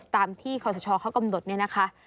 ตามที่ขอสชเขากำหนดเนี่ยนะคะ